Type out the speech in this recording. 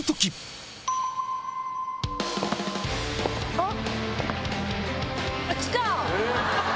あっ！